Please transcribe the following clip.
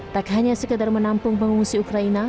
tak hanya sekedar menampung pengungsi ukraina